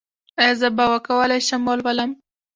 ایا زه به وکولی شم ولولم؟